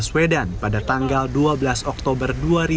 dan baswedan pada tanggal dua belas oktober dua ribu sembilan belas